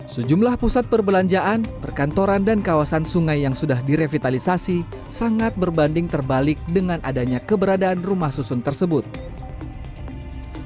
sejumlah pusat perbelanjaan perkantoran dan kawasan sungai yang sudah direvitalisasi sangat berbanding terbalik dengan adanya keberadaan rumah susun tersebut